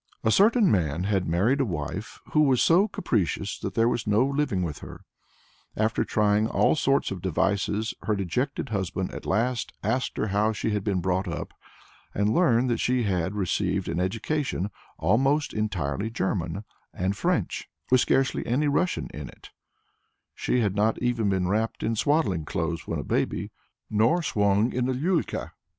A certain man had married a wife who was so capricious that there was no living with her. After trying all sorts of devices her dejected husband at last asked her how she had been brought up, and learnt that she had received an education almost entirely German and French, with scarcely any Russian in it; she had not even been wrapped in swaddling clothes when a baby, nor swung in a liulka.